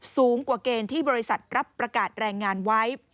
สูงกว่าเกณฑ์ที่บริษัทรับประกาศแรงงานไว้